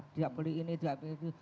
dia beli ini dia beli itu